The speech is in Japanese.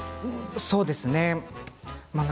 そうですね。